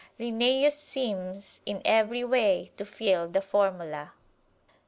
Linnæus seems in every way to fill the formula.